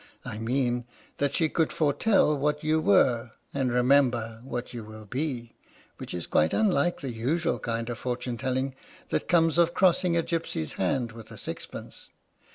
I mean that she could foretell what you were, and remember what you will be, which is quite unlike the usual kind of fortune telling that comes of crossing a gipsy's hand with a sixpence.